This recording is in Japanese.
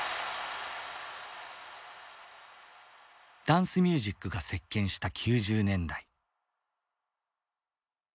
ダンスミュージックが席けんした９０年代。